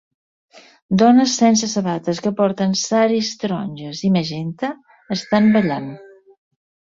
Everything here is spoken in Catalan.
Dones sense sabates que porten saris taronges i magenta estan ballant.